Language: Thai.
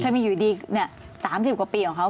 เคยมีอยู่ดีนี่๓๐กว่าปีของเขา